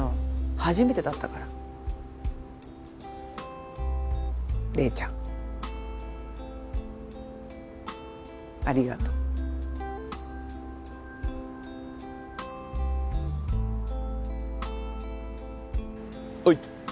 初めてだったから黎ちゃんありがとうほい